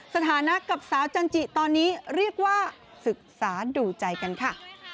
สถานะกับสาวจันจิตอนนี้เรียกว่าศึกษาดูใจกันค่ะ